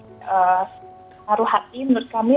maru hati menurut kami